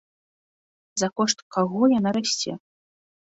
За кошт каго яна расце?